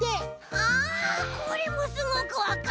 あこれもすごくわかる。